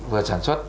vừa sản xuất